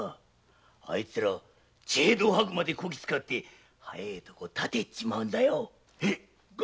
あいつら血へどを吐くまでこき使って早いとこ建てちまうんだよ。